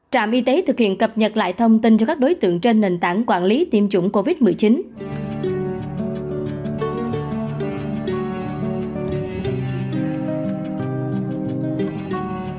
trạm y tế thực hiện cập nhật lại thông tin cho các đối tượng trên nền tảng quản lý tiêm chủng covid một mươi chín